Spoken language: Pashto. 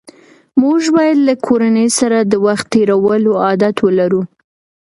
موږ باید له کورنۍ سره د وخت تېرولو عادت ولرو